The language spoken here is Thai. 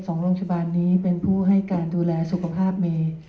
สองโรงชาบานนี้เป็นผู้ให้การดูแลสุขภาพเม